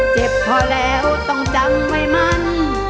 เจ็บพอแล้วต้องจังไว้มัน